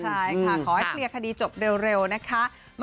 ใช่ค่ะขอให้เคลียร์คดีจบเร็วนะคะ